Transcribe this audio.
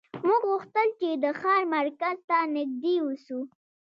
موږ غوښتل چې د ښار مرکز ته نږدې اوسو